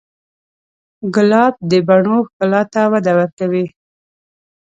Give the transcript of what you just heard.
ګلاب د بڼو ښکلا ته وده ورکوي.